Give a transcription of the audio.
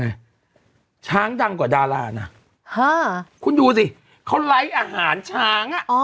ไงช้างดังกว่าดาราน่ะฮ่าคุณดูสิเขาไล้อาหารช้างอ่ะ